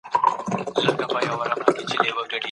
پکښي مکتب دی ناروا سوی